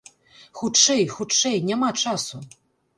Хутчэй, хутчэй, няма часу!